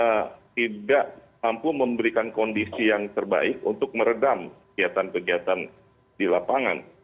kita tidak mampu memberikan kondisi yang terbaik untuk meredam kegiatan kegiatan di lapangan